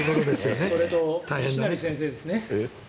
それと西成先生ですね。